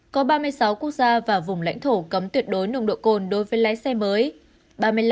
có ba mươi sáu quốc gia và vùng lãnh thổ cấm tuyệt đối nồng độ cồn đối với lái xe mới